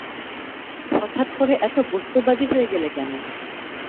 হঠাৎ করে এত বস্তুবাদী হয়ে গেলে কেন?